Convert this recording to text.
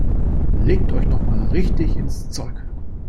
Legt euch noch mal richtig ins Zeug!